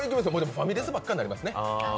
ファミレスばっかりになりますね。